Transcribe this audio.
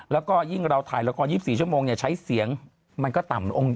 แล้วก็ยิ่งเราถ่ายละคร๒๔ชั่วโมงใช้เสียงมันก็ต่ำลง